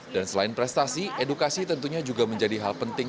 dan selain prestasi edukasi tentunya juga menjadi hal penting